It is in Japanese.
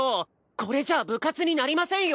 これじゃ部活になりませんよ。